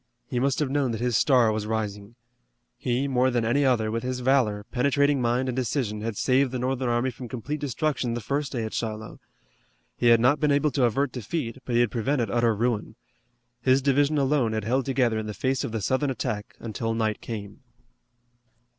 He must have known that his star was rising. He, more than any other, with his valor, penetrating mind and decision had saved the Northern army from complete destruction the first day at Shiloh. He had not been able to avert defeat, but he had prevented utter ruin. His division alone had held together in the face of the Southern attack until night came.